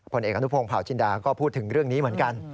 เอกอนุพงศาวจินดาก็พูดถึงเรื่องนี้เหมือนกัน